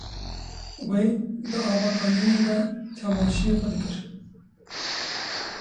Wê di ava kanîyê de temaşî xwe dikir.